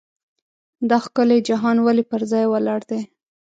دا ښکلی جهان ولې پر ځای ولاړ دی.